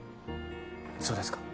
そうですか。